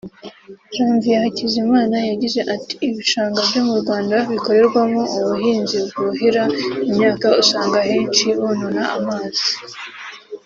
Janvier Hakuzimana yagize ati “Ibishanga byo mu Rwanda bikorerwamo ubuhinzi bwuhira imyaka usanga ahenshi bonona amazi